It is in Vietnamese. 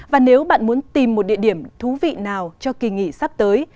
và nếu bạn muốn tìm một địa điểm thú vị nào cho kỳ nghỉ sắp tới